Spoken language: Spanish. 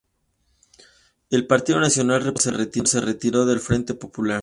El Partido Nacional Republicano se retiró del Frente Popular.